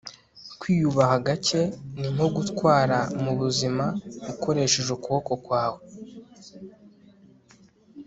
kwiyubaha gake ni nko gutwara mu buzima ukoresheje ukuboko kwawe